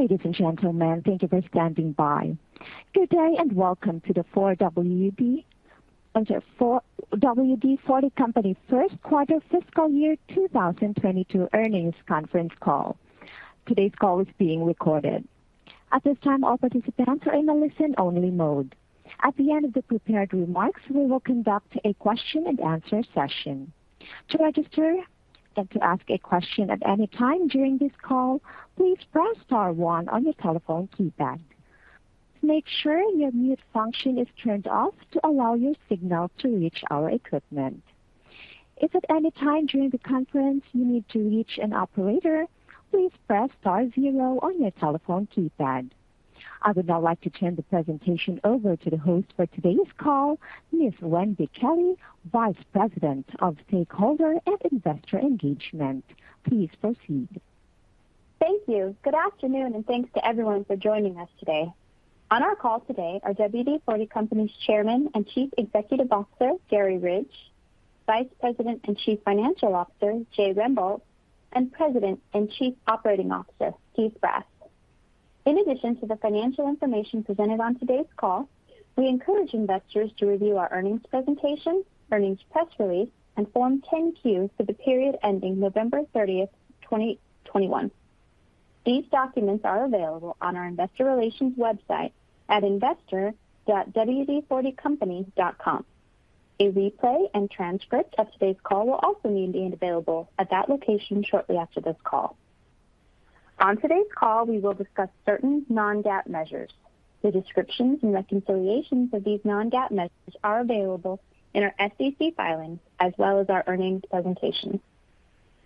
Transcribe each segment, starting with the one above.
Ladies and gentlemen, thank you for standing by. Good day and welcome to the WD-40 Company Q1 Fiscal Year 2022 Earnings Conference Call. Today's call is being recorded. At this time, all participants are in a listen-only mode. At the end of the prepared remarks, we will conduct a question-and-answer session. To register and to ask a question at any time during this call, please press star one on your telephone keypad. Make sure your mute function is turned off to allow your signal to reach our equipment. If at any time during the conference you need to reach an operator, please press star zero on your telephone keypad. I would now like to turn the presentation over to the host for today's call, Ms. Wendy Kelley, Vice President of Stakeholder and Investor Engagement. Please proceed. Thank you. Good afternoon, and thanks to everyone for joining us today. On our call today are WD-40 Company's Chairman and Chief Executive Officer, Garry Ridge, Vice President and Chief Financial Officer, Jay Rembolt, and President and Chief Operating Officer, Steve Brass. In addition to the financial information presented on today's call, we encourage investors to review our earnings presentation, earnings press release, and Form 10-Q for the period ending November 30, 2021. These documents are available on our investor relations website at investor.wd40company.com. A replay and transcript of today's call will also be made available at that location shortly after this call. On today's call, we will discuss certain non-GAAP measures. The descriptions and reconciliations of these non-GAAP measures are available in our SEC filings as well as our earnings presentation.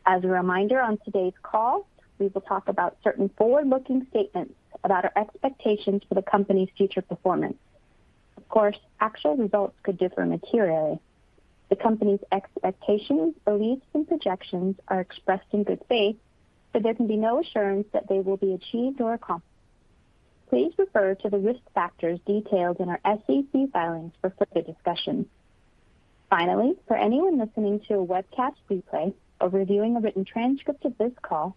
As a reminder on today's call, we will talk about certain forward-looking statements about our expectations for the company's future performance. Of course, actual results could differ materially. The company's expectations, beliefs, and projections are expressed in good faith, but there can be no assurance that they will be achieved or accomplished. Please refer to the risk factors detailed in our SEC filings for further discussion. Finally, for anyone listening to a webcast replay or reviewing a written transcript of this call,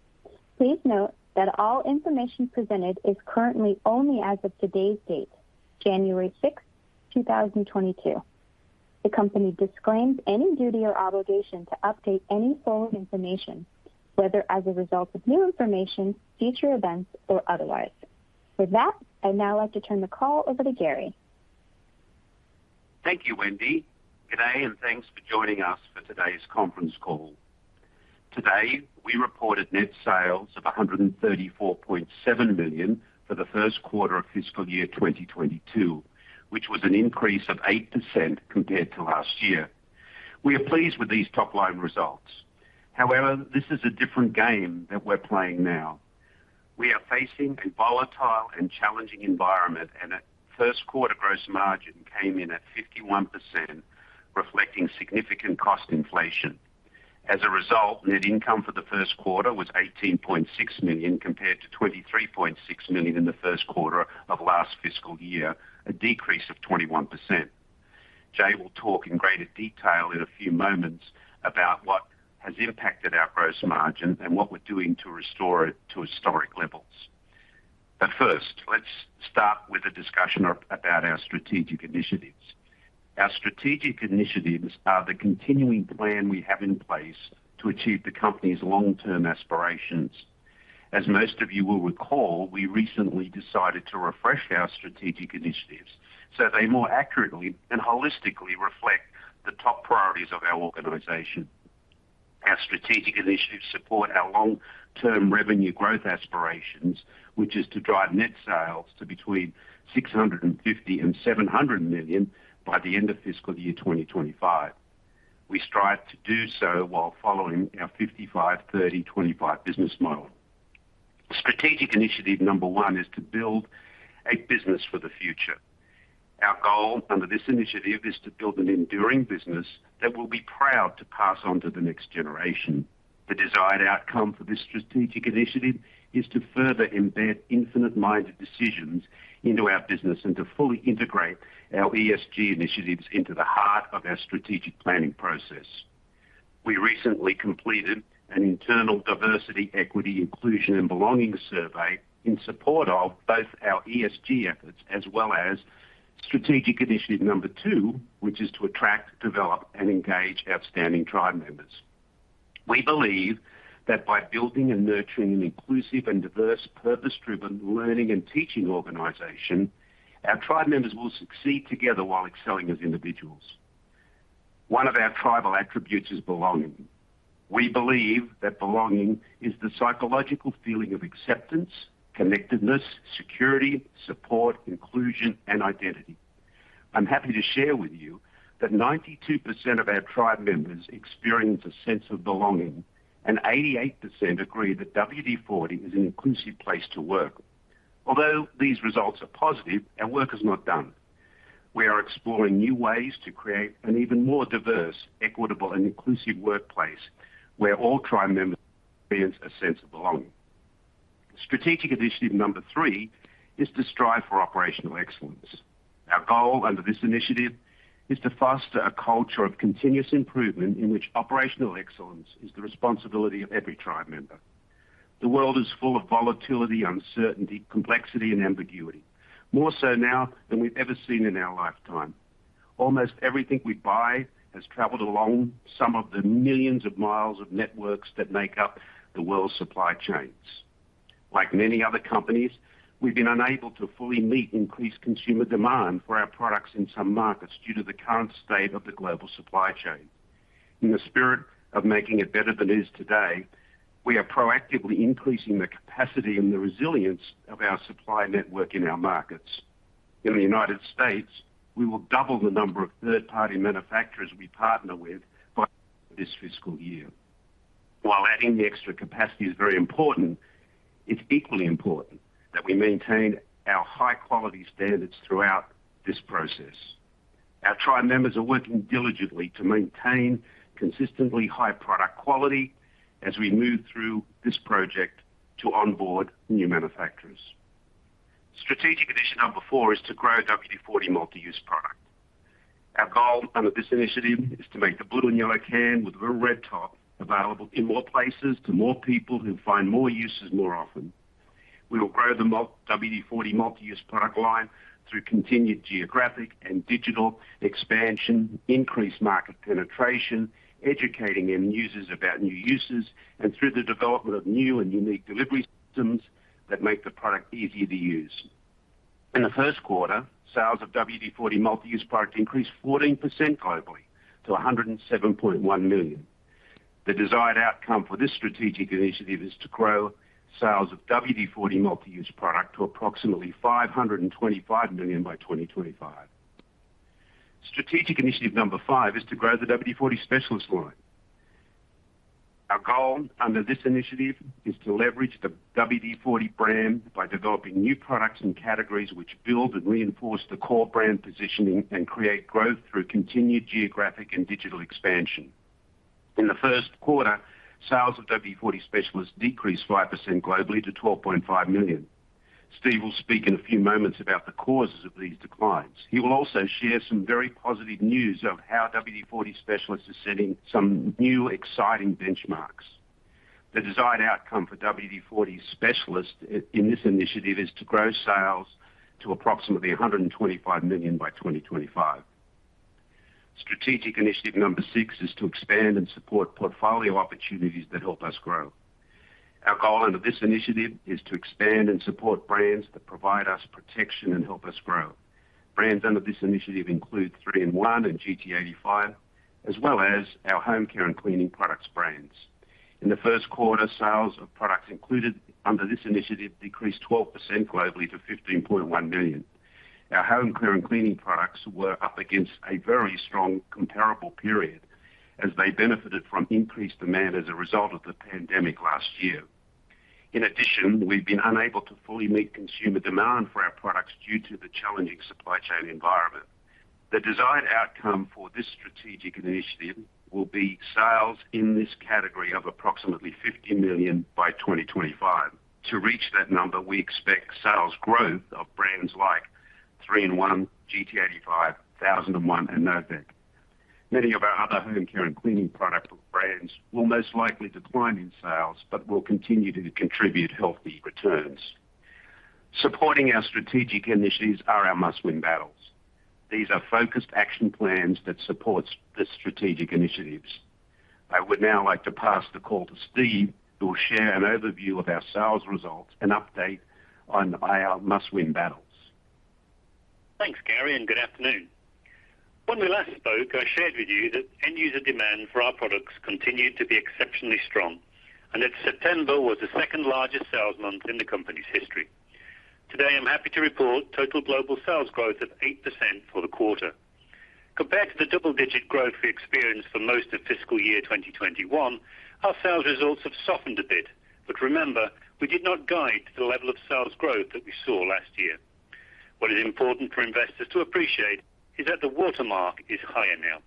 please note that all information presented is currently only as of today's date, January 6, 2022. The company disclaims any duty or obligation to update any forward information, whether as a result of new information, future events, or otherwise. With that, I'd now like to turn the call over to Garry. Thank you, Wendy. Good day, and thanks for joining us for today's conference call. Today, we reported net sales of $134.7 million for the Q1 of fiscal year 2022, which was an increase of 8% compared to last year. We are pleased with these top-line results. However, this is a different game that we're playing now. We are facing a volatile and challenging environment, and our Q1 gross margin came in at 51%, reflecting significant cost inflation. As a result, net income for the Q1 was $18.6 million compared to $23.6 million in the Q1 of last fiscal year, a decrease of 21%. Jay will talk in greater detail in a few moments about what has impacted our gross margin and what we're doing to restore it to historic levels. First, let's start with a discussion about our strategic initiatives. Our strategic initiatives are the continuing plan we have in place to achieve the company's long-term aspirations. As most of you will recall, we recently decided to refresh our strategic initiatives so they more accurately and holistically reflect the top priorities of our organization. Our strategic initiatives support our long-term revenue growth aspirations, which is to drive net sales to between $650 million and $700 million by the end of fiscal year 2025. We strive to do so while following our 55/30/25 business model. Strategic initiative number 1 is to build a business for the future. Our goal under this initiative is to build an enduring business that we'll be proud to pass on to the next generation. The desired outcome for this strategic initiative is to further embed infinite mind decisions into our business and to fully integrate our ESG initiatives into the heart of our strategic planning process. We recently completed an internal diversity, equity, inclusion, and belonging survey in support of both our ESG efforts as well as strategic initiative number two, which is to attract, develop, and engage outstanding tribe members. We believe that by building and nurturing an inclusive and diverse, purpose-driven learning and teaching organization, our tribe members will succeed together while excelling as individuals. One of our tribal attributes is belonging. We believe that belonging is the psychological feeling of acceptance, connectedness, security, support, inclusion, and identity. I'm happy to share with you that 92% of our tribe members experience a sense of belonging, and 88% agree that WD-40 is an inclusive place to work. Although these results are positive, our work is not done. We are exploring new ways to create an even more diverse, equitable, and inclusive workplace where all tribe members experience a sense of belonging. Strategic initiative number three is to strive for operational excellence. Our goal under this initiative is to foster a culture of continuous improvement in which operational excellence is the responsibility of every tribe member. The world is full of volatility, uncertainty, complexity and ambiguity, more so now than we've ever seen in our lifetime. Almost everything we buy has traveled along some of the millions of miles of networks that make up the world's supply chains. Like many other companies, we've been unable to fully meet increased consumer demand for our products in some markets due to the current state of the global supply chain. In the spirit of making it better than it is today, we are proactively increasing the capacity and the resilience of our supply network in our markets. In the United States, we will double the number of third-party manufacturers we partner with by this fiscal year. While adding the extra capacity is very important, it's equally important that we maintain our high quality standards throughout this process. Our tribe members are working diligently to maintain consistently high product quality as we move through this project to onboard new manufacturers. Strategic initiative number four is to grow WD-40 Multi-Use Product. Our goal under this initiative is to make the blue and yellow can with the red top available in more places to more people who find more uses more often. We will grow the WD-40 Multi-Use Product line through continued geographic and digital expansion, increased market penetration, educating end users about new uses, and through the development of new and unique delivery systems that make the product easier to use. In the Q1, sales of WD-40 Multi-Use Product increased 14% globally to $107.1 million. The desired outcome for this strategic initiative is to grow sales of WD-40 Multi-Use Product to approximately $525 million by 2025. Strategic initiative number five is to grow the WD-40 Specialist line. Our goal under this initiative is to leverage the WD-40 brand by developing new products and categories which build and reinforce the core brand positioning and create growth through continued geographic and digital expansion. In the Q1, sales of WD-40 Specialist decreased 5% globally to $12.5 million. Steve will speak in a few moments about the causes of these declines. He will also share some very positive news of how WD-40 Specialist is setting some new exciting benchmarks. The desired outcome for WD-40 Specialist in this initiative is to grow sales to approximately $125 million by 2025. Strategic initiative number six is to expand and support portfolio opportunities that help us grow. Our goal under this initiative is to expand and support brands that provide us protection and help us grow. Brands under this initiative include 3-IN-ONE and GT85, as well as our home care and cleaning products brands. In the Q1, sales of products included under this initiative decreased 12% globally to $15.1 million. Our home care and cleaning products were up against a very strong comparable period as they benefited from increased demand as a result of the pandemic last year. In addition, we've been unable to fully meet consumer demand for our products due to the challenging supply chain environment. The desired outcome for this strategic initiative will be sales in this category of approximately $50 million by 2025. To reach that number, we expect sales growth of brands like 3-IN-ONE, GT85, 1001, and no vac. Many of our other home care and cleaning product brands will most likely decline in sales but will continue to contribute healthy returns. Supporting our strategic initiatives are our must-win battles. These are focused action plans that supports the strategic initiatives. I would now like to pass the call to Steve, who will share an overview of our sales results and update on our must-win battles. Thanks, Garry, and good afternoon. When we last spoke, I shared with you that end user demand for our products continued to be exceptionally strong, and that September was the second largest sales month in the company's history. Today, I'm happy to report total global sales growth of 8% for the quarter. Compared to the double-digit growth we experienced for most of fiscal year 2021, our sales results have softened a bit. Remember, we did not guide to the level of sales growth that we saw last year. What is important for investors to appreciate is that the watermark is higher now.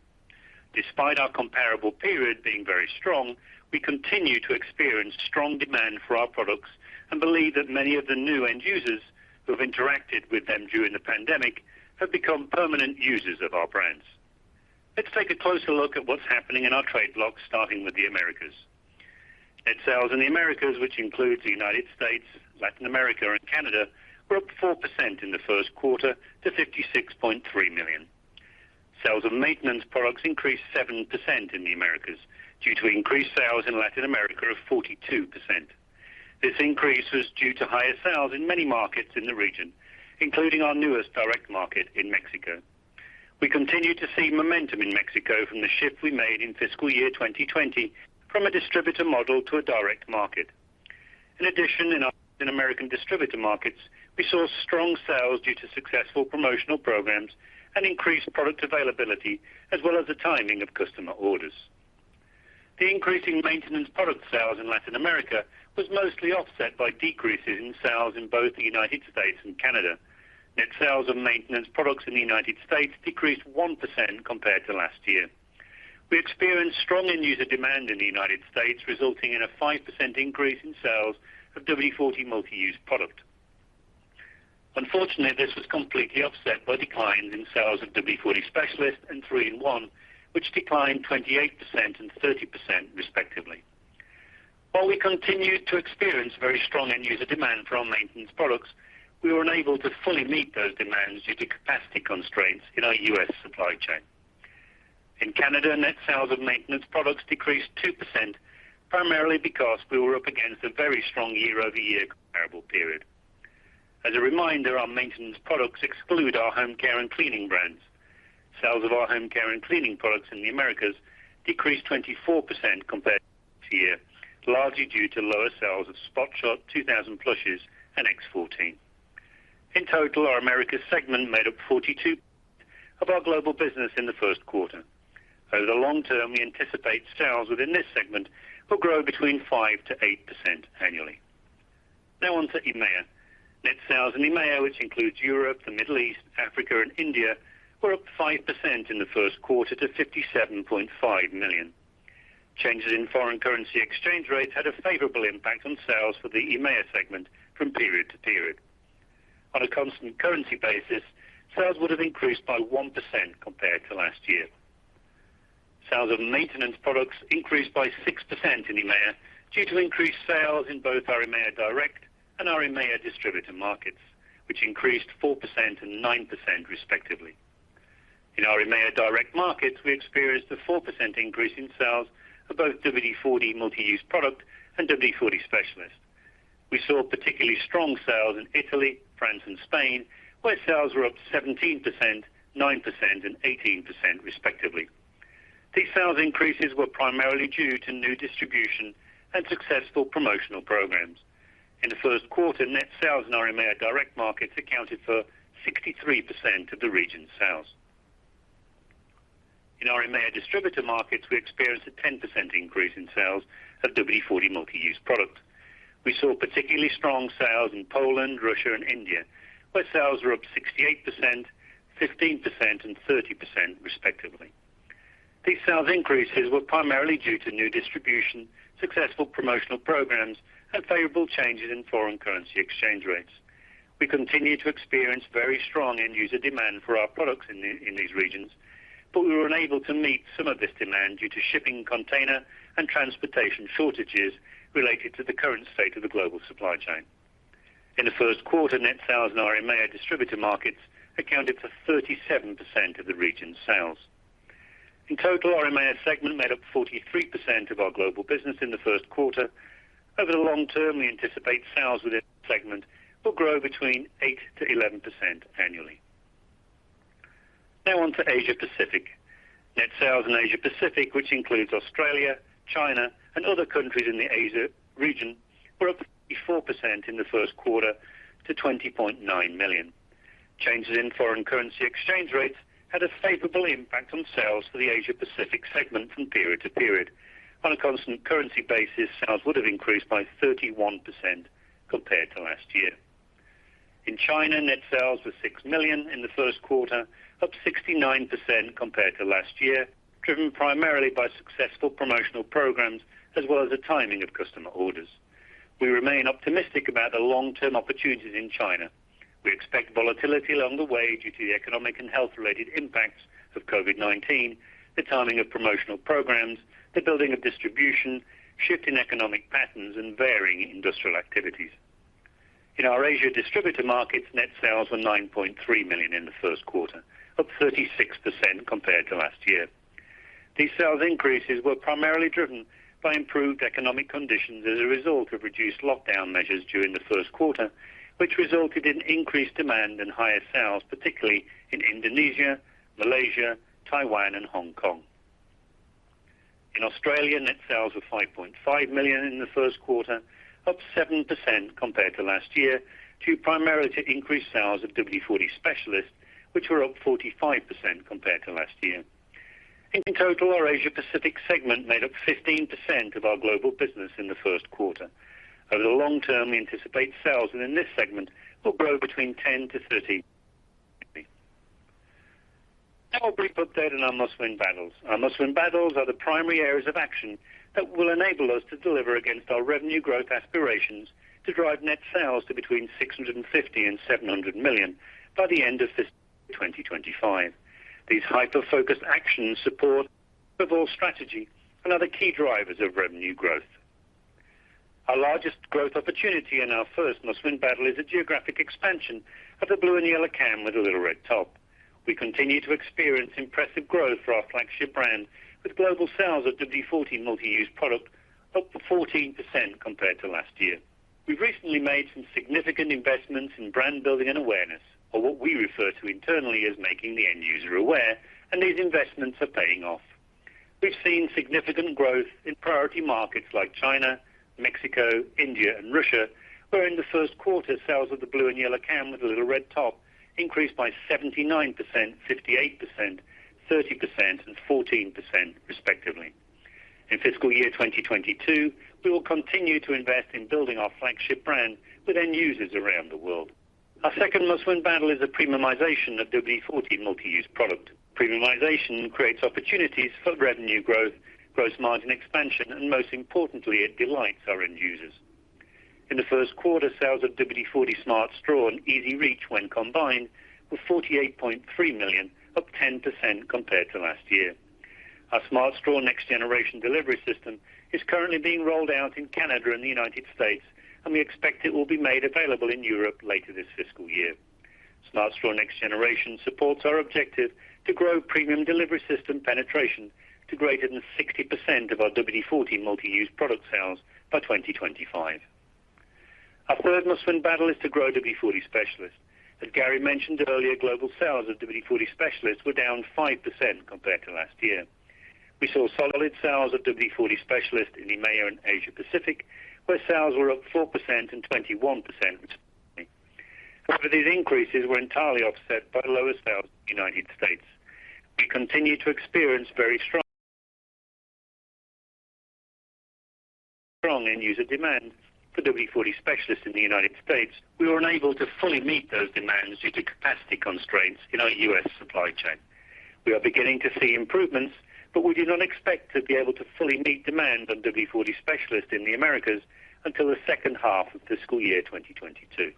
Despite our comparable period being very strong, we continue to experience strong demand for our products and believe that many of the new end users who have interacted with them during the pandemic have become permanent users of our brands. Let's take a closer look at what's happening in our trade blocks, starting with the Americas. Net sales in the Americas, which includes the United States, Latin America and Canada, were up 4% in the Q1 to $56.3 million. Sales of maintenance products increased 7% in the Americas due to increased sales in Latin America of 42%. This increase was due to higher sales in many markets in the region, including our newest direct market in Mexico. We continue to see momentum in Mexico from the shift we made in fiscal year 2020 from a distributor model to a direct market. In addition, in our Latin American distributor markets, we saw strong sales due to successful promotional programs and increased product availability as well as the timing of customer orders. The increasing maintenance product sales in Latin America was mostly offset by decreases in sales in both the United States and Canada. Net sales of maintenance products in the United States decreased 1% compared to last year. We experienced strong end-user demand in the United States, resulting in a 5% increase in sales of WD-40 Multi-Use Product. Unfortunately, this was completely offset by declines in sales of WD-40 Specialist and 3-IN-ONE, which declined 28% and 30% respectively. While we continued to experience very strong end-user demand for our maintenance products, we were unable to fully meet those demands due to capacity constraints in our U.S. supply chain. In Canada, net sales of maintenance products decreased 2%, primarily because we were up against a very strong year-over-year comparable period. As a reminder, our maintenance products exclude our home care and cleaning brands. Sales of our home care and cleaning products in the Americas decreased 24% compared to last year, largely due to lower sales of Spot Shot, 2000 Flushes and X-14. In total, our Americas segment made up 42% of our global business in the Q1. Over the long term, we anticipate sales within this segment will grow between 5%-8% annually. Now on to EMEA. Net sales in EMEA, which includes Europe, the Middle East, Africa, and India, were up 5% in the Q1 to $57.5 million. Changes in foreign currency exchange rates had a favorable impact on sales for the EMEA segment from period to period. On a constant currency basis, sales would have increased by 1% compared to last year. Sales of maintenance products increased by 6% in EMEA due to increased sales in both our EMEA Direct and our EMEA Distributor markets, which increased 4% and 9% respectively. In our EMEA Direct markets, we experienced a 4% increase in sales of both WD-40 Multi-Use Product and WD-40 Specialist. We saw particularly strong sales in Italy, France, and Spain, where sales were up 17%, 9%, and 18% respectively. These sales increases were primarily due to new distribution and successful promotional programs. In the Q1, net sales in our EMEA Direct markets accounted for 63% of the region's sales. In our EMEA Distributor markets, we experienced a 10% increase in sales of WD-40 Multi-Use Product. We saw particularly strong sales in Poland, Russia, and India, where sales were up 68%, 15%, and 30% respectively. These sales increases were primarily due to new distribution, successful promotional programs, and favorable changes in foreign currency exchange rates. We continued to experience very strong end-user demand for our products in these regions, but we were unable to meet some of this demand due to shipping container and transportation shortages related to the current state of the global supply chain. In the Q1, net sales in our EMEA Distributor markets accounted for 37% of the region's sales. In total, our EMEA segment made up 43% of our global business in the Q1. Over the long term, we anticipate sales within the segment will grow 8%-11% annually. Now on to Asia-Pacific. Net sales in Asia-Pacific, which includes Australia, China, and other countries in the Asia region, were up 44% in the Q1 to $20.9 million. Changes in foreign currency exchange rates had a favorable impact on sales for the Asia-Pacific segment from period to period. On a constant currency basis, sales would have increased by 31% compared to last year. In China, net sales were $6 million in the Q1, up 69% compared to last year, driven primarily by successful promotional programs as well as the timing of customer orders. We remain optimistic about the long-term opportunities in China. We expect volatility along the way due to the economic and health-related impacts of COVID-19, the timing of promotional programs, the building of distribution, shift in economic patterns, and varying industrial activities. In our Asia Distributor markets, net sales were $9.3 million in the Q1, up 36% compared to last year. These sales increases were primarily driven by improved economic conditions as a result of reduced lockdown measures during the Q1, which resulted in increased demand and higher sales, particularly in Indonesia, Malaysia, Taiwan, and Hong Kong. In Australia, net sales were $5.5 million in the Q1, up 7% compared to last year, due primarily to increased sales of WD-40 Specialist, which were up 45% compared to last year. In total, our Asia-Pacific segment made up 15% of our global business in the Q1. Over the long term, we anticipate sales within this segment will grow between 10%-30%. Now a brief update on our Must Win Battles. Our Must Win Battles are the primary areas of action that will enable us to deliver against our revenue growth aspirations to drive net sales to between $650 million and $700 million by the end of fiscal 2025. These hyper-focused actions support overall strategy and are the key drivers of revenue growth. Our largest growth opportunity in our first Must Win Battle is the geographic expansion of the blue and yellow can with a little red top. We continue to experience impressive growth for our flagship brand with global sales of WD-40 Multi-Use Product up 14% compared to last year. We've recently made some significant investments in brand building and awareness, or what we refer to internally as making the end user aware, and these investments are paying off. We've seen significant growth in priority markets like China, Mexico, India, and Russia, where in the Q1, sales of the blue and yellow can with a little red top increased by 79%, 58%, 30%, and 14% respectively. In fiscal year 2022, we will continue to invest in building our flagship brand with end users around the world. Our second must-win battle is the premiumization of WD-40 Multi-Use Product. Premiumization creates opportunities for revenue growth, gross margin expansion, and most importantly, it delights our end users. In the Q1, sales of WD-40 Smart Straw and EZ-REACH when combined were $48.3 million, up 10% compared to last year. Our Smart Straw Next Generation delivery system is currently being rolled out in Canada and the United States, and we expect it will be made available in Europe later this fiscal year. Smart Straw Next Generation supports our objective to grow premium delivery system penetration to greater than 60% of our WD-40 Multi-Use Product sales by 2025. Our third must-win battle is to grow WD-40 Specialist. As Garry mentioned earlier, global sales of WD-40 Specialist were down 5% compared to last year. We saw solid sales of WD-40 Specialist in EMEA and Asia Pacific, where sales were up 4% and 21% respectively. However, these increases were entirely offset by lower sales in the United States. We continue to experience very strong end user demand for WD-40 Specialist in the United States. We were unable to fully meet those demands due to capacity constraints in our U.S. supply chain. We are beginning to see improvements, but we do not expect to be able to fully meet demand on WD-40 Specialist in the Americas until the H2 of fiscal year 2022.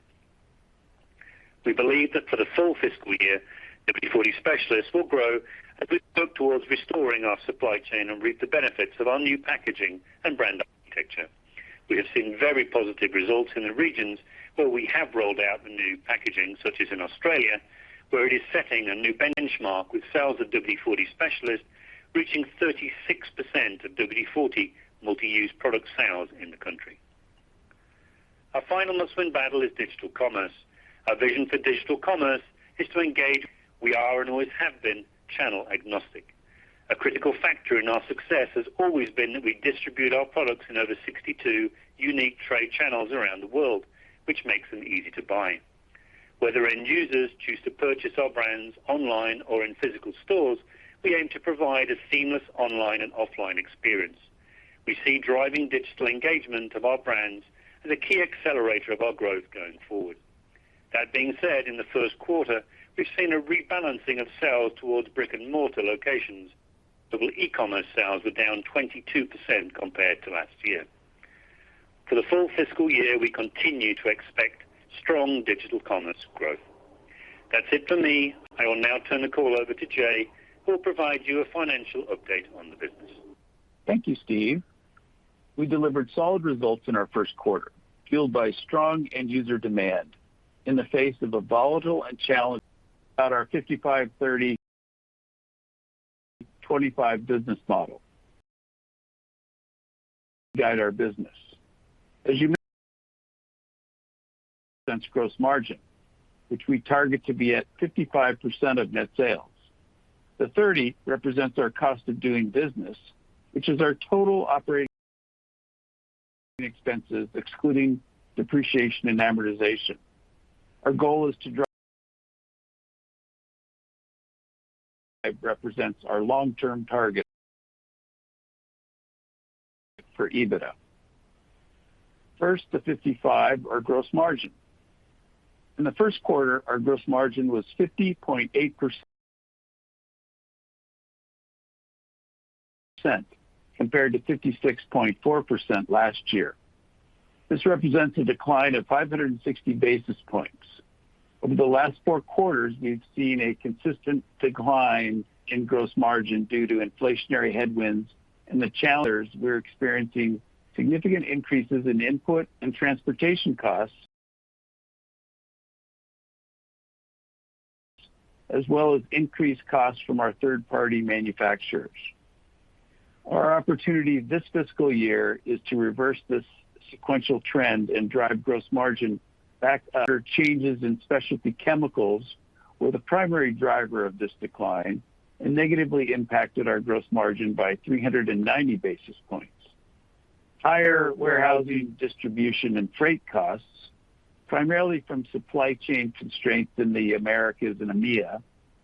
We believe that for the full fiscal year, WD-40 Specialist will grow as we work towards restoring our supply chain and reap the benefits of our new packaging and brand architecture. We have seen very positive results in the regions where we have rolled out the new packaging, such as in Australia, where it is setting a new benchmark with sales of WD-40 Specialist reaching 36% of WD-40 Multi-Use Product sales in the country. Our final must-win battle is digital commerce. Our vision for digital commerce is to engage. We are and always have been channel agnostic. A critical factor in our success has always been that we distribute our products in over 62 unique trade channels around the world, which makes them easy to buy. Whether end users choose to purchase our brands online or in physical stores, we aim to provide a seamless online and offline experience. We see driving digital engagement of our brands as a key accelerator of our growth going forward. That being said, in the Q1, we've seen a rebalancing of sales towards brick-and-mortar locations. Global e-commerce sales were down 22% compared to last year. For the full fiscal year, we continue to expect strong digital commerce growth. That's it for me. I will now turn the call over to Jay, who will provide you a financial update on the business. Thank you, Steve. We delivered solid results in our Q1, fueled by strong end user demand in the face of a volatile and challenging environment. About our 55/30/25 business model that guides our business. As you may know, it consists of gross margin, which we target to be at 55% of net sales. The 30 represents our cost of doing business, which is our total operating expenses, excluding depreciation and amortization. Our goal is to drive it to 30%. The 25 represents our long-term target for EBITDA. First, the 55, our gross margin. In the Q1, our gross margin was 50.8% compared to 56.4% last year. This represents a decline of 560 basis points. Over the last four quarters, we've seen a consistent decline in gross margin due to inflationary headwinds and the challenges we're experiencing, significant increases in input and transportation costs as well as increased costs from our third-party manufacturers. Our opportunity this fiscal year is to reverse this sequential trend and drive gross margin back up. Changes in specialty chemicals were the primary driver of this decline and negatively impacted our gross margin by 390 basis points. Higher warehousing, distribution, and freight costs, primarily from supply chain constraints in the Americas and EMEA,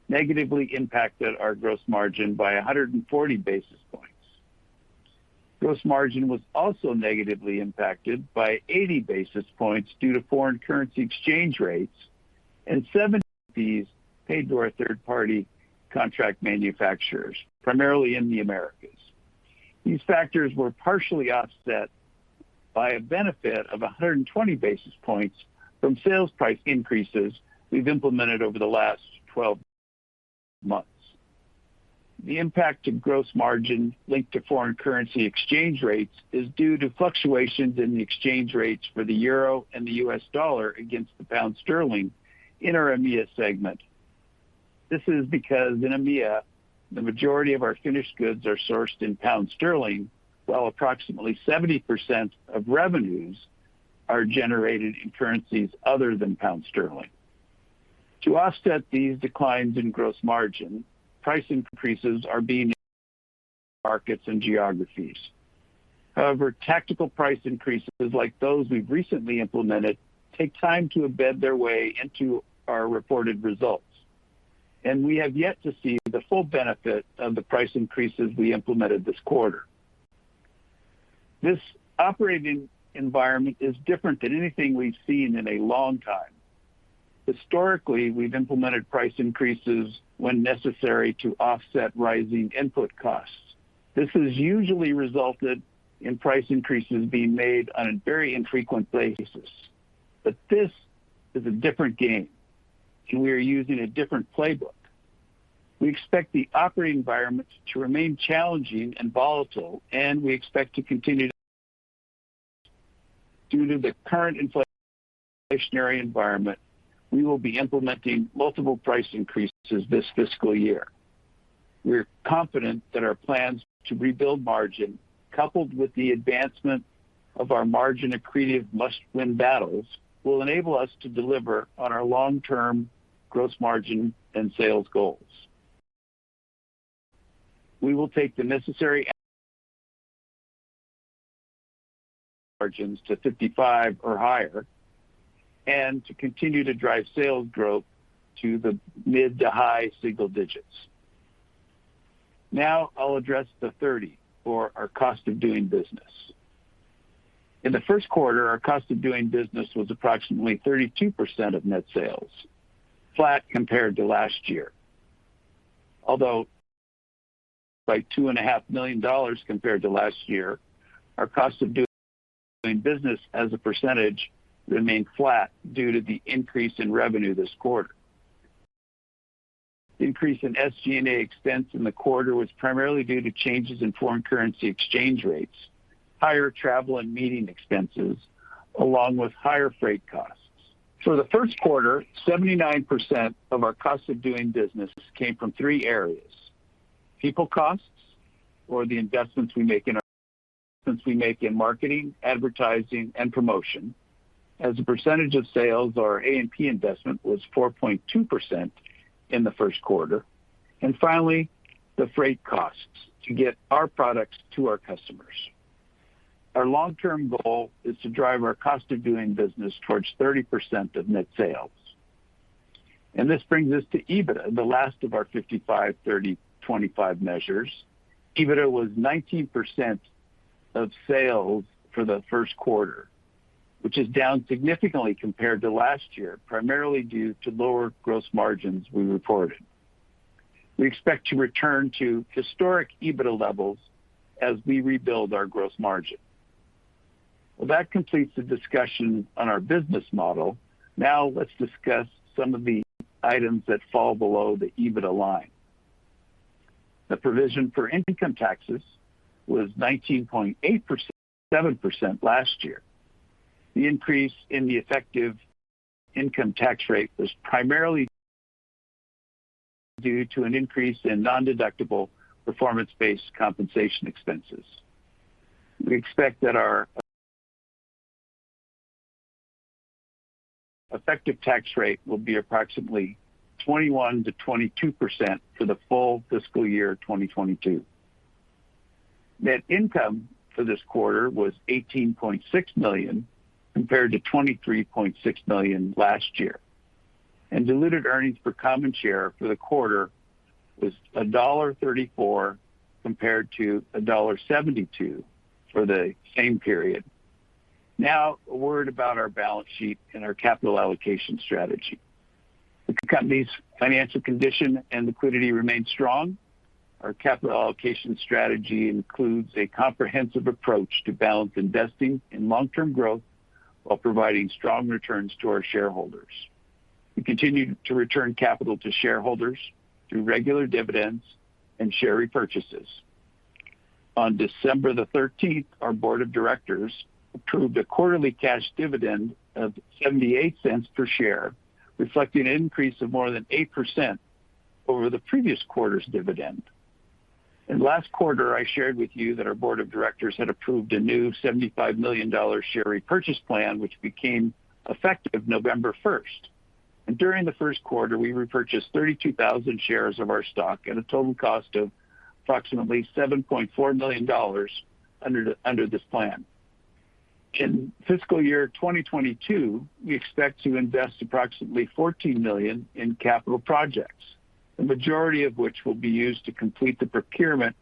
negatively impacted our gross margin by 140 basis points. Gross margin was also negatively impacted by 80 basis points due to foreign currency exchange rates and fees paid to our third-party contract manufacturers, primarily in the Americas. These factors were partially offset by a benefit of 100 basis points from sales price increases we've implemented over the last 12 months. The impact to gross margin linked to foreign currency exchange rates is due to fluctuations in the exchange rates for the euro and the US dollar against the pound sterling in our EMEA segment. This is because in EMEA, the majority of our finished goods are sourced in pound sterling, while approximately 70% of revenues are generated in currencies other than pound sterling. To offset these declines in gross margin, price increases are being implemented in markets and geographies. However, tactical price increases like those we've recently implemented take time to embed their way into our reported results. We have yet to see the full benefit of the price increases we implemented this quarter. This operating environment is different than anything we've seen in a long time. Historically, we've implemented price increases when necessary to offset rising input costs. This has usually resulted in price increases being made on a very infrequent basis. This is a different game, and we are using a different playbook. We expect the operating environment to remain challenging and volatile, and we expect to continue, due to the current inflationary environment, to implement multiple price increases this fiscal year. We're confident that our plans to rebuild margin, coupled with the advancement of our margin-accretive must-win battles, will enable us to deliver on our long-term gross margin and sales goals. We will take the necessary margins to 55% or higher and continue to drive sales growth to the mid- to high-single-digits. Now I'll address the 30% for our cost of doing business. In the Q1, our cost of doing business was approximately 32% of net sales, flat compared to last year. Although by $2.5 million compared to last year, our cost of doing business as a percentage remained flat due to the increase in revenue this quarter. Increase in SG&A expense in the quarter was primarily due to changes in foreign currency exchange rates, higher travel and meeting expenses, along with higher freight costs. For the Q1, 79% of our cost of doing business came from three areas. People costs or the investments we make in our marketing, advertising, and promotion. As a percentage of sales, our A&P investment was 4.2% in the Q1. Finally, the freight costs to get our products to our customers. Our long-term goal is to drive our cost of doing business towards 30% of net sales. This brings us to EBITDA, the last of our 55/30/25 measures. EBITDA was 19% of sales for the Q1, which is down significantly compared to last year, primarily due to lower gross margins we reported. We expect to return to historic EBITDA levels as we rebuild our gross margin. Well, that completes the discussion on our business model. Now let's discuss some of the items that fall below the EBITDA line. The provision for income taxes was 19.8%, 7% last year. The increase in the effective income tax rate was primarily due to an increase in nondeductible performance-based compensation expenses. We expect that our effective tax rate will be approximately 21%-22% for the full fiscal year 2022. Net income for this quarter was $18.6 million, compared to $23.6 million last year. Diluted earnings per common share for the quarter was $1.34 compared to $1.72 for the same period. Now, a word about our balance sheet and our capital allocation strategy. The company's financial condition and liquidity remain strong. Our capital allocation strategy includes a comprehensive approach to balance investing in long-term growth while providing strong returns to our shareholders. We continue to return capital to shareholders through regular dividends and share repurchases. On December the thirteenth, our board of directors approved a quarterly cash dividend of $0.78 per share, reflecting an increase of more than 8% over the previous quarter's dividend. Last quarter, I shared with you that our board of directors had approved a new $75 million share repurchase plan, which became effective November first. During the Q1, we repurchased 32,000 shares of our stock at a total cost of approximately $7.4 million under this plan. In fiscal year 2022, we expect to invest approximately $14 million in capital projects, the majority of which will be used to complete the procurement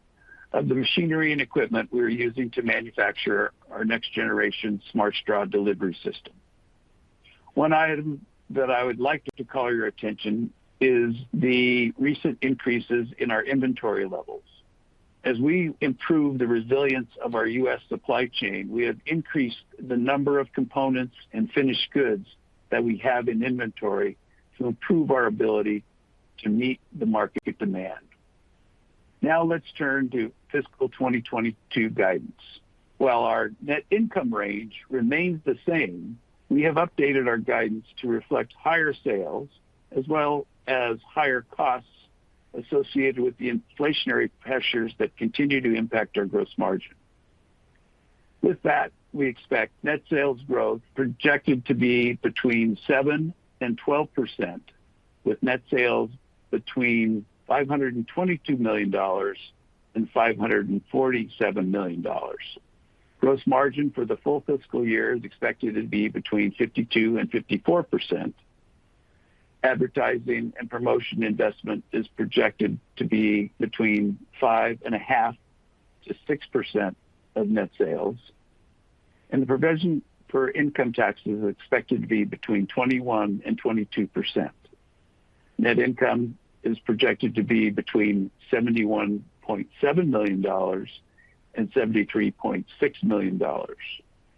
of the machinery and equipment we're using to manufacture our next generation Smart Straw delivery system. One item that I would like to call your attention to is the recent increases in our inventory levels. As we improve the resilience of our U.S. supply chain, we have increased the number of components and finished goods that we have in inventory to improve our ability to meet the market demand. Now let's turn to fiscal 2022 guidance. While our net income range remains the same, we have updated our guidance to reflect higher sales as well as higher costs associated with the inflationary pressures that continue to impact our gross margin. With that, we expect net sales growth projected to be between 7%-12%. With net sales between $522 million-$547 million. Gross margin for the full fiscal year is expected to be 52%-54%. Advertising and promotion investment is projected to be between 5.5%-6% of net sales, and the provision for income taxes is expected to be 21%-22%. Net income is projected to be between $71.7 million-$73.6 million.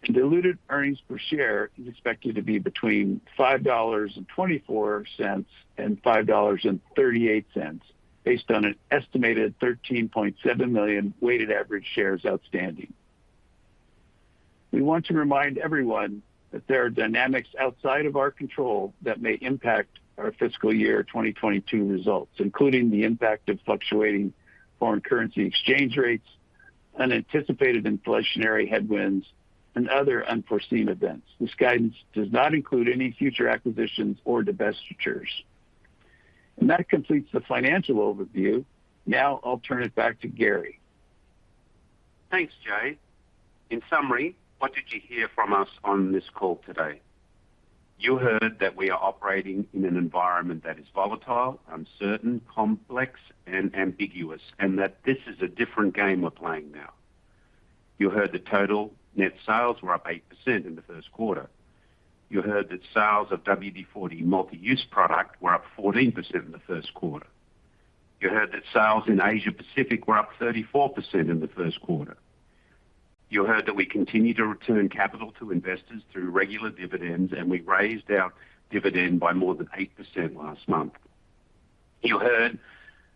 Diluted earnings per share is expected to be between $5.24 and $5.38, based on an estimated 13.7 million weighted average shares outstanding. We want to remind everyone that there are dynamics outside of our control that may impact our fiscal year 2022 results, including the impact of fluctuating foreign currency exchange rates, unanticipated inflationary headwinds, and other unforeseen events. This guidance does not include any future acquisitions or divestitures. That completes the financial overview. Now I'll turn it back to Garry. Thanks, Jay. In summary, what did you hear from us on this call today? You heard that we are operating in an environment that is volatile, uncertain, complex and ambiguous, and that this is a different game we're playing now. You heard that total net sales were up 8% in the Q1. You heard that sales of WD-40 Multi-Use Product were up 14% in the Q1. You heard that sales in Asia Pacific were up 34% in the Q1. You heard that we continue to return capital to investors through regular dividends, and we raised our dividend by more than 8% last month. You heard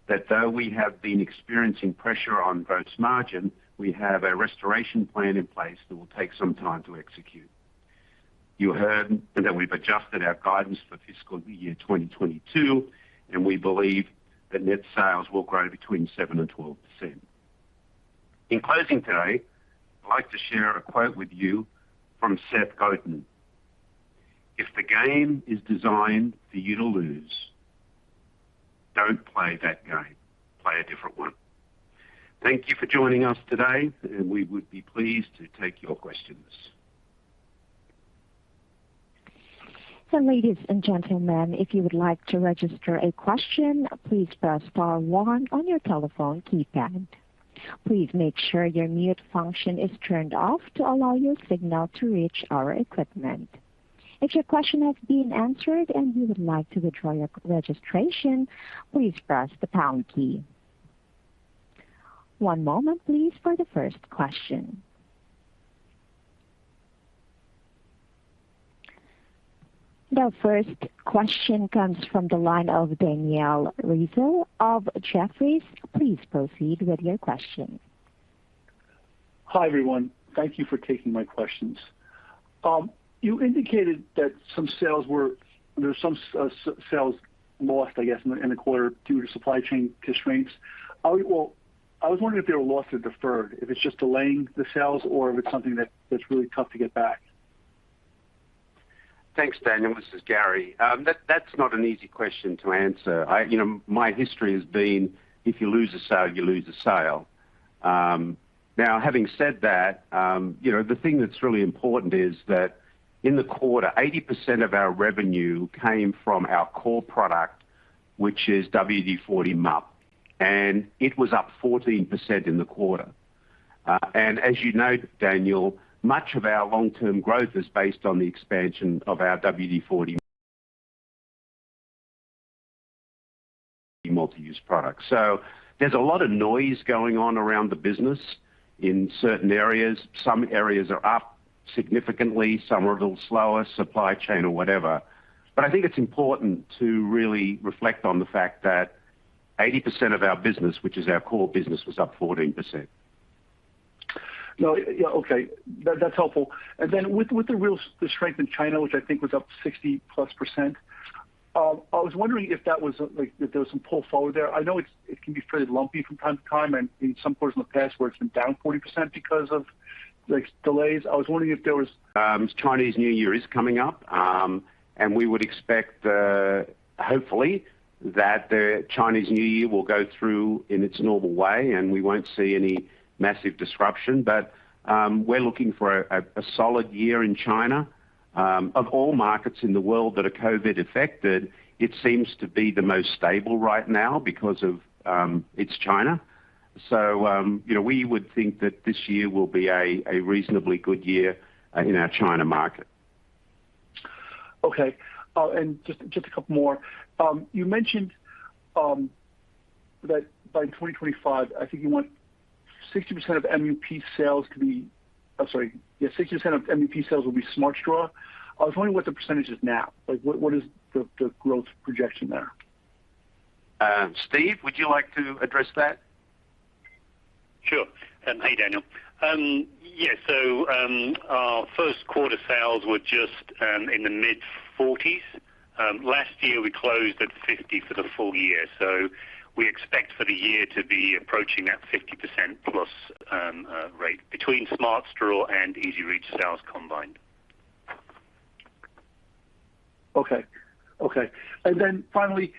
that though we have been experiencing pressure on gross margin, we have a restoration plan in place that will take some time to execute. You heard that we've adjusted our guidance for fiscal year 2022, and we believe that net sales will grow between 7%-12%. In closing today, I'd like to share a quote with you from Seth Godin. "If the game is designed for you to lose, don't play that game. Play a different one." Thank you for joining us today, and we would be pleased to take your questions. Ladies and gentlemen, if you would like to register a question, please press star one on your telephone keypad. Please make sure your mute function is turned off to allow your signal to reach our equipment. If your question has been answered and you would like to withdraw your registration, please press the pound key. One moment please for the first question. The first question comes from the line of Daniel Rizzo of Jefferies. Please proceed with your question. Hi, everyone. Thank you for taking my questions. You indicated that there were some sales lost, I guess, in the quarter due to supply chain constraints. Well, I was wondering if they were lost or deferred, if it's just delaying the sales or if it's something that's really tough to get back. Thanks, Daniel. This is Garry. That's not an easy question to answer. You know, my history has been, if you lose a sale, you lose a sale. Now, having said that, you know, the thing that's really important is that in the quarter, 80% of our revenue came from our core product, which is WD-40 MUP, and it was up 14% in the quarter. As you know, Daniel, much of our long-term growth is based on the expansion of our WD-40 Multi-Use Product. There's a lot of noise going on around the business in certain areas. Some areas are up significantly, some are a little slower, supply chain or whatever. I think it's important to really reflect on the fact that 80% of our business, which is our core business, was up 14%. No. Yeah, okay. That's helpful. With the real strength in China, which I think was up 60%+, I was wondering if that was, like, that there was some pull forward there. I know it can be pretty lumpy from time to time, and in some parts in the past where it's been down 40% because of like, delays. I was wondering if there was Chinese New Year is coming up, and we would expect, hopefully, that the Chinese New Year will go through in its normal way and we won't see any massive disruption. We're looking for a solid year in China. Of all markets in the world that are COVID affected, it seems to be the most stable right now because it's China. You know, we would think that this year will be a reasonably good year in our China market. Okay. Just a couple more. You mentioned that by 2025, I think, 60% of MUP sales will be Smart Straw. I was wondering what the percentage is now. Like, what is the growth projection there? Steve, would you like to address that? Sure. Hey, Daniel. Yes. Our Q1 sales were just in the mid-$40s. Last year, we closed at $50 for the full year. We expect for the year to be approaching that 50% plus rate between Smart Straw and EZ-REACH sales combined. Finally,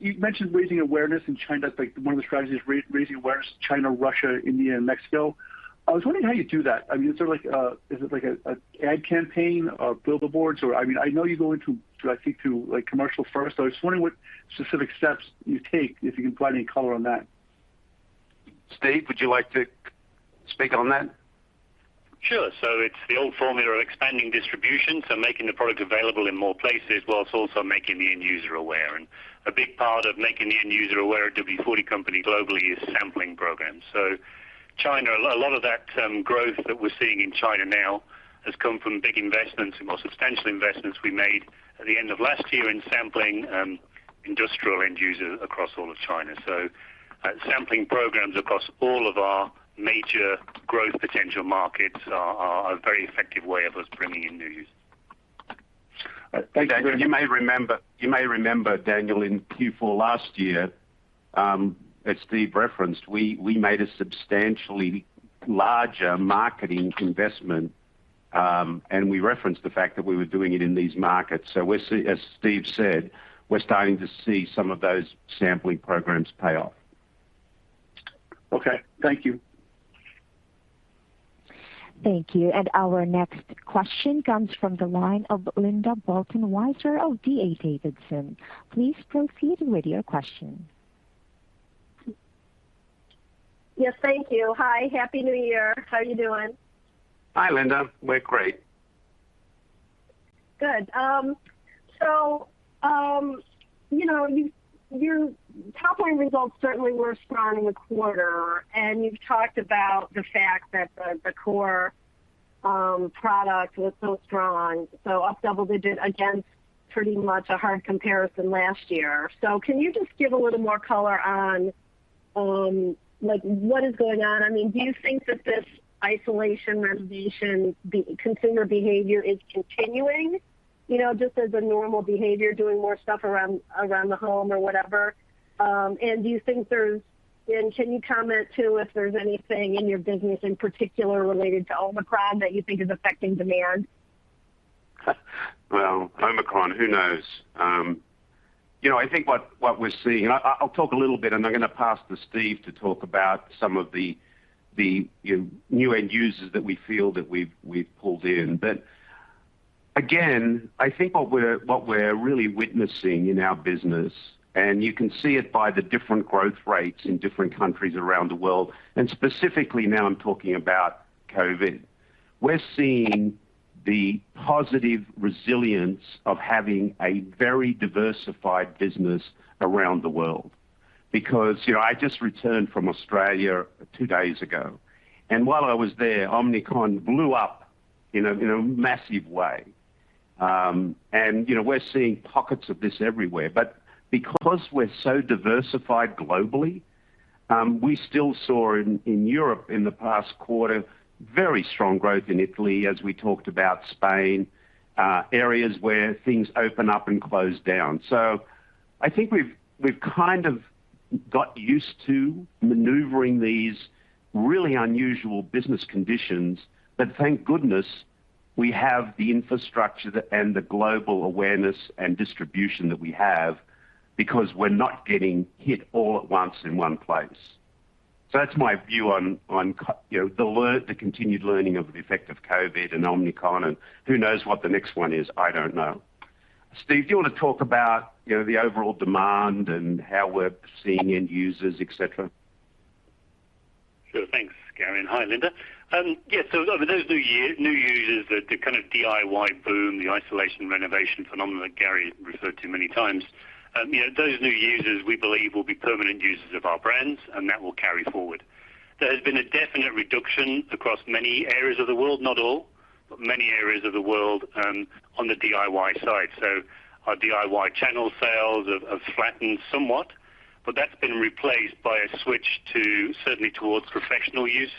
you mentioned raising awareness in China, like one of the strategies, raising awareness, China, Russia, India, and Mexico. I was wondering how you do that. I mean, is there like, is it like a, an ad campaign or billboards or? I mean, I know you go into, I think through like commercial first. I was wondering what specific steps you take, if you can provide any color on that. Steve, would you like to speak on that? Sure. It's the old formula of expanding distribution, so making the product available in more places while also making the end user aware. A big part of making the end user aware at WD-40 Company globally is sampling programs. China, a lot of that growth that we're seeing in China now has come from big investments and more substantial investments we made at the end of last year in sampling industrial end users across all of China. Sampling programs across all of our major growth potential markets are a very effective way of us bringing in new users. Thank you. You may remember, Daniel, in Q4 last year, as Steve referenced, we made a substantially larger marketing investment, and we referenced the fact that we were doing it in these markets. As Steve said, we're starting to see some of those sampling programs pay off. Okay, thank you. Thank you. Our next question comes from the line of Linda Bolton Weiser of D.A. Davidson. Please proceed with your question. Yes, thank you. Hi, Happy New Year. How are you doing? Hi, Linda. We're great. Good. You know, your top line results certainly were strong in the quarter, and you've talked about the fact that the core product was so strong, so up double-digit against pretty much a hard comparison last year. Can you just give a little more color on like what is going on? I mean, do you think that this isolation, renovation, DIY consumer behavior is continuing, you know, just as a normal behavior, doing more stuff around the home or whatever? Can you comment too if there's anything in your business in particular related to Omicron that you think is affecting demand? Well, Omicron, who knows? You know, I think what we're seeing, I'll talk a little bit and I'm gonna pass to Steve to talk about some of the new end users that we feel that we've pulled in. Again, I think what we're really witnessing in our business, and you can see it by the different growth rates in different countries around the world, and specifically now I'm talking about COVID. We're seeing the positive resilience of having a very diversified business around the world. Because you know, I just returned from Australia two days ago, and while I was there, Omicron blew up in a massive way. You know, we're seeing pockets of this everywhere. Because we're so diversified globally, we still saw in Europe in the past quarter, very strong growth in Italy as we talked about Spain, areas where things open up and close down. I think we've kind of got used to maneuvering these really unusual business conditions. Thank goodness we have the infrastructure and the global awareness and distribution that we have because we're not getting hit all at once in one place. That's my view on you know, the continued learning of the effect of COVID and Omicron and who knows what the next one is. I don't know. Steve, do you wanna talk about you know, the overall demand and how we're seeing end users, etc.? Sure. Thanks, Garry, and hi, Linda. Yes, over those new users, the kind of DIY boom, the isolation renovation phenomenon that Garry referred to many times, you know, those new users we believe will be permanent users of our brands, and that will carry forward. There has been a definite reduction across many areas of the world, not all, but many areas of the world, on the DIY side. Our DIY channel sales have flattened somewhat, but that's been replaced by a switch to certainly towards professional use.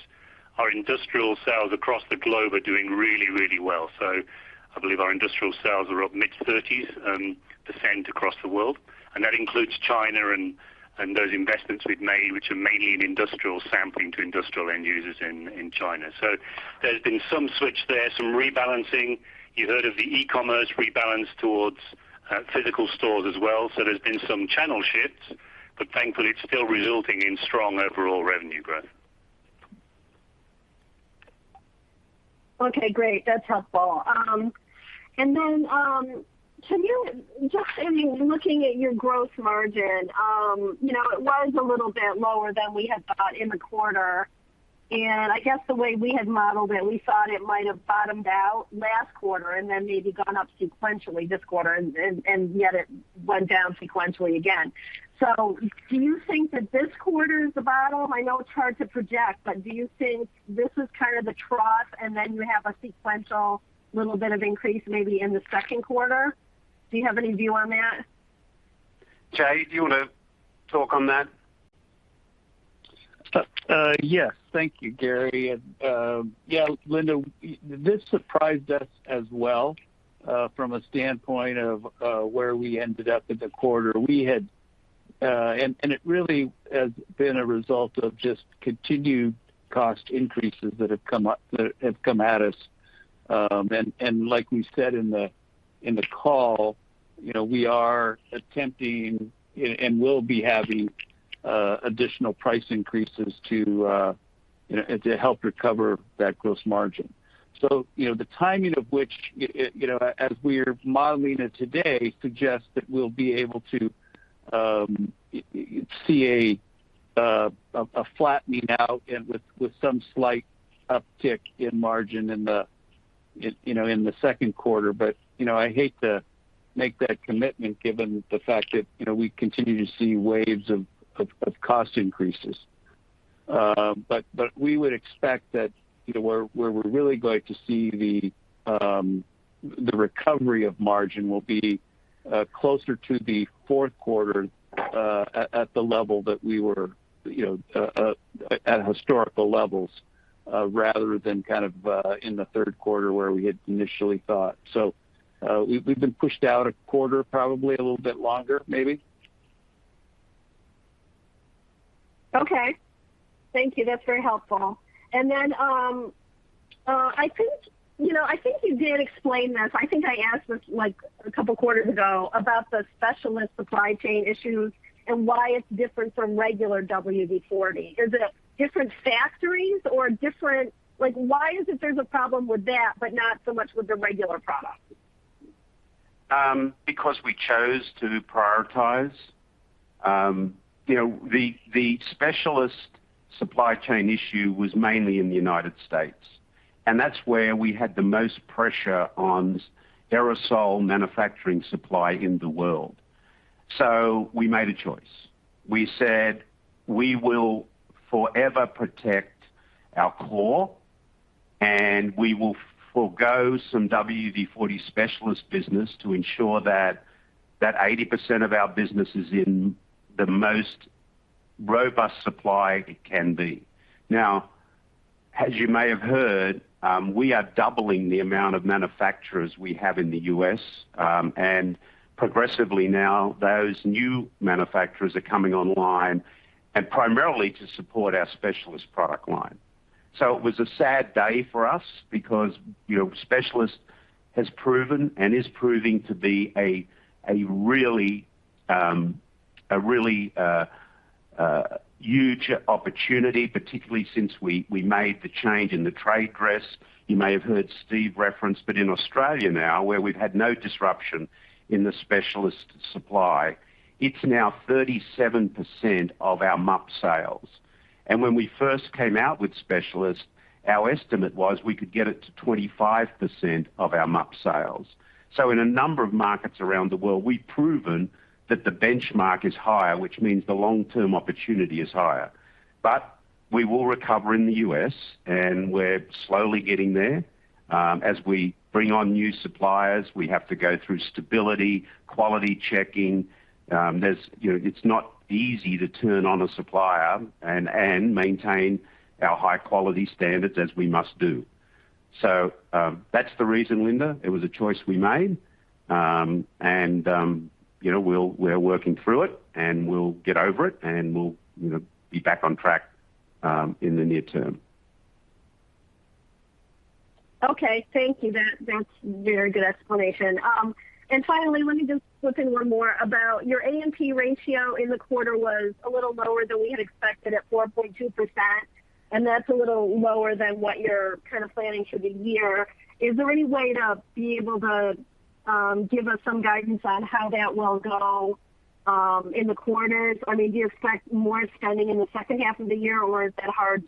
Our industrial sales across the globe are doing really, really well. I believe our industrial sales are up mid-30s% across the world. That includes China and those investments we've made, which are mainly in industrial sampling to industrial end users in China. There's been some switch there, some rebalancing. You heard of the e-commerce rebalance towards physical stores as well. There's been some channel shifts, but thankfully it's still resulting in strong overall revenue growth. Okay, great. That's helpful. Then, can you just, I mean, looking at your gross margin, you know, it was a little bit lower than we had thought in the quarter. I guess the way we had modeled it, we thought it might have bottomed out last quarter and then maybe gone up sequentially this quarter and yet it went down sequentially again. Do you think that this quarter is the bottom? I know it's hard to project, but do you think this is kind of the trough and then you have a sequential little bit of increase maybe in the Q2? Do you have any view on that? Jay, do you wanna talk on that? Yes. Thank you, Garry. Yeah, Linda, this surprised us as well, from a standpoint of where we ended up in the quarter. It really has been a result of just continued cost increases that have come at us. Like we said in the call, you know, we are attempting and will be having additional price increases to you know to help recover that gross margin. You know, the timing of which you know as we're modeling it today suggests that we'll be able to see a flattening out and with some slight uptick in margin in the you know in the Q2. You know, I hate to make that commitment given the fact that, you know, we continue to see waves of cost increases. We would expect that, you know, where we're really going to see the recovery of margin will be closer to the Q4, at the level that we were, you know, at historical levels, rather than kind of in the Q3 where we had initially thought. We've been pushed out a quarter, probably a little bit longer maybe. Okay. Thank you. That's very helpful. I think, you know, I think you did explain this. I think I asked this, like, a couple quarters ago about the Specialist supply chain issues and why it's different from regular WD-40. Is it different factories or different? Like, why is it there's a problem with that but not so much with the regular product? Because we chose to prioritize. You know, the Specialist supply chain issue was mainly in the United States, and that's where we had the most pressure on aerosol manufacturing supply in the world. We made a choice. We said, we will forever protect our core, and we will forgo some WD-40 Specialist business to ensure that 80% of our business is in the most robust supply it can be. Now, as you may have heard, we are doubling the amount of manufacturers we have in the U.S., and progressively now those new manufacturers are coming online and primarily to support our Specialist product line. It was a sad day for us because, you know, Specialist has proven and is proving to be a really huge opportunity, particularly since we made the change in the trade dress. You may have heard Steve reference, but in Australia now, where we've had no disruption in the Specialist supply, it's now 37% of our MUP sales. When we first came out with Specialist, our estimate was we could get it to 25% of our MUP sales. In a number of markets around the world, we've proven that the benchmark is higher, which means the long-term opportunity is higher. We will recover in the U.S., and we're slowly getting there. As we bring on new suppliers, we have to go through stability, quality checking. There's, you know, it's not easy to turn on a supplier and maintain our high-quality standards as we must do. That's the reason, Linda. It was a choice we made. You know, we're working through it, and we'll get over it, and we'll, you know, be back on track in the near term. Okay. Thank you. That's very good explanation. Finally, let me just slip in one more about your A&P ratio in the quarter was a little lower than we had expected at 4.2%, and that's a little lower than what you're kind of planning for the year. Is there any way to be able to give us some guidance on how that will go in the quarters? I mean, do you expect more spending in the H2 of the year, or is that hard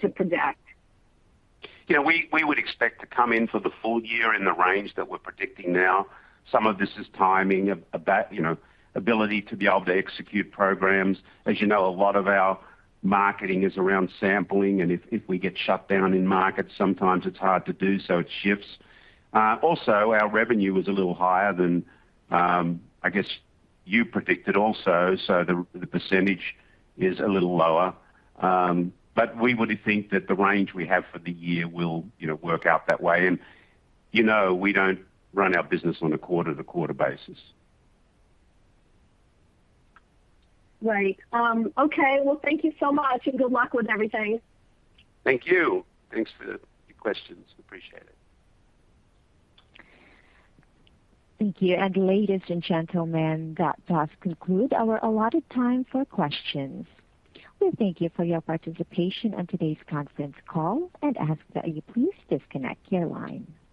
to project? You know, we would expect to come in for the full year in the range that we're predicting now. Some of this is timing of you know, ability to execute programs. As you know, a lot of our marketing is around sampling, and if we get shut down in markets, sometimes it's hard to do, so it shifts. Also our revenue was a little higher than I guess you predicted also, so the percentage is a little lower. We would think that the range we have for the year will you know, work out that way. You know, we don't run our business on a quarter-to-quarter basis. Right. Okay. Well, thank you so much, and good luck with everything. Thank you. Thanks for the questions. I appreciate it. Thank you. Ladies and gentlemen, that does conclude our allotted time for questions. We thank you for your participation on today's conference call and ask that you please disconnect your line.